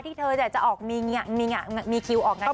ที่เธอจะออกมีงานมีงานมีคิวออกกันอีเวนต์